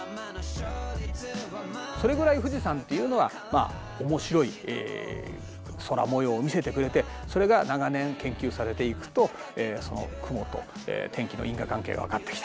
それぐらい富士山っていうのは面白い空もようを見せてくれてそれが長年研究されていくとその雲と天気の因果関係が分かってきた。